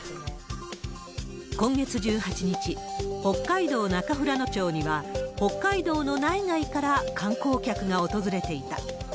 今月１８日、北海道中富良野町には、北海道の内外から観光客が訪れていた。